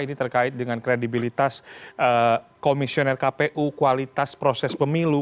ini terkait dengan kredibilitas komisioner kpu kualitas proses pemilu